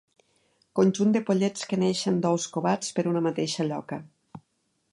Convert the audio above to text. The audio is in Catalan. Conjunt de pollets que neixen d'ous covats per una mateixa lloca.